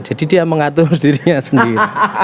jadi dia mengatur dirinya sendiri